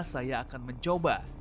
saya akan mencoba